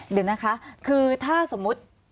เดี๋ยวนะคะคือถ้าสมมุติ